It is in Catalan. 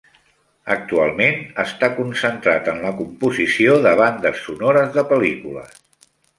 Actualment està concentrat en la composició de bandes sonores de pel·lícules.